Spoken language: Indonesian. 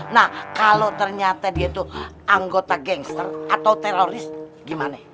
nah kalau ternyata dia itu anggota gangster atau teroris gimana